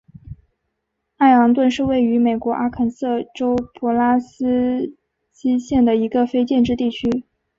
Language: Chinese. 艾昂顿是位于美国阿肯色州普拉斯基县的一个非建制地区。